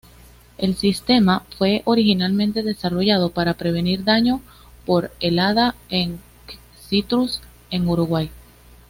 El sistema fue originalmente desarrollado para prevenir daño por helada en citrus en Uruguay.